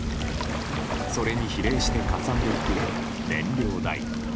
それに比例してかさんでいく燃料代。